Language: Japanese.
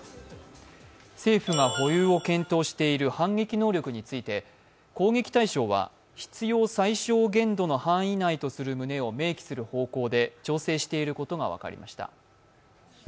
政府が保有を検討している反撃能力について、攻撃対象は必要最小限度の範囲内とする旨を明記する方向で調整していることが分かりました。